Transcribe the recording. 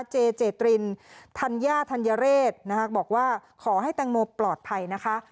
เจเจตรินธัญญาธัญเรศนะคะบอกว่าขอให้แตงโมปลอดภัยนะคะ